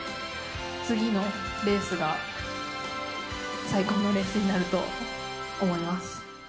次のレースが最高のレースになると思います。